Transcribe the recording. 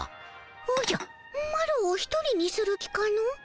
おじゃマロを一人にする気かの？